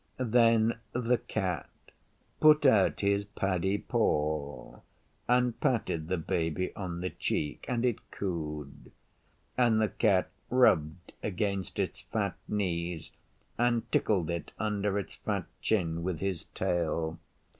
Then the Cat put out his paddy paw and patted the Baby on the cheek, and it cooed; and the Cat rubbed against its fat knees and tickled it under its fat chin with his tail.